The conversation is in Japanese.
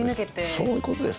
そういうことです。